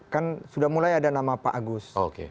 kan sudah mulai ada nama pak agus